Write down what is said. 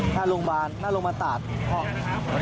หน้าโรงพยาบาลหน้าโรงพยาบาลตาดห้อง